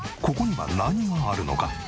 ここには何があるのか？